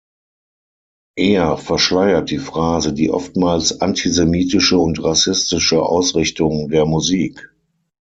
Eher verschleiert die Phrase die oftmals antisemitische und rassistische Ausrichtung der Musik.